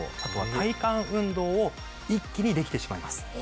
あとは体幹運動を一気にできてしまいます。